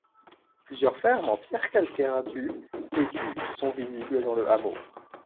Plusieurs fermes en pierre calcaire du et du sont visibles dans le hameau.